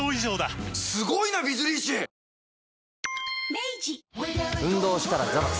明治運動したらザバス。